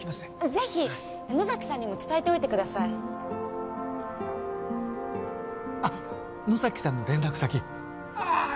ぜひ野崎さんにも伝えておいてくださいあっ野崎さんの連絡先あーっ